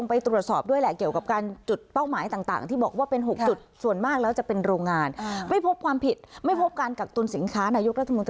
นายกรัฐมนตรีบอกเพิ่มเติมนะคะ